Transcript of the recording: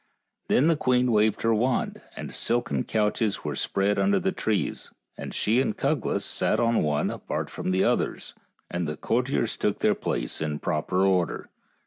Then the queen waved her wand, and silken couches were spread under the trees, and she and Cuglas sat on one apart from the others, and the courtiers took their places in proper order.